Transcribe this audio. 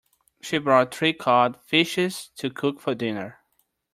She bought three cod fishes to cook for dinner.